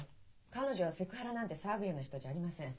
彼女はセクハラなんて騒ぐような人じゃありません。